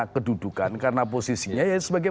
kedudukan karena posisinya sebagai